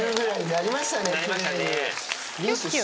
なりましたね。